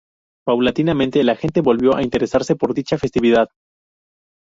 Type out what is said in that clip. Paulatinamente, la gente volvió a interesarse por dicha festividad.